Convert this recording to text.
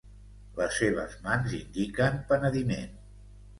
Les seves mans indiquen penediment.